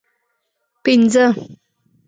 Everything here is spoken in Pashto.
پنځه